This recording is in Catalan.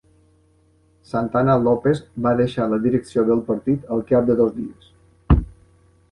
Santana Lopes va deixar la direcció del partit al cap de dos dies.